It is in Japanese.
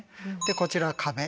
こちらは壁